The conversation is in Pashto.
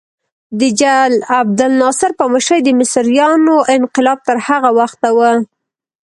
د جل عبدالناصر په مشرۍ د مصریانو انقلاب تر هغه وخته و.